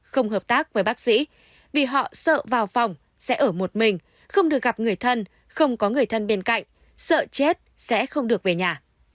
không hợp tác với bác sĩ vì họ sợ vào phòng sẽ ở một mình không được gặp người thân không có người thân bên cạnh sợ chết sẽ không được về nhà